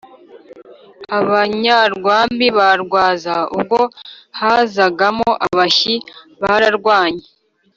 Abanyarwambi ba Rwanza ubwo hazagamo Abashi bararwanye